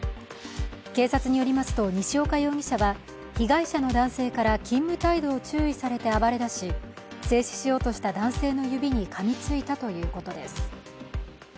警察によりますと、西岡容疑者は被害者の男性から勤務態度を注意されて暴れだし制止しようとした男性の指にかみついたということです。